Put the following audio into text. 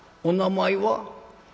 「お名前は？」。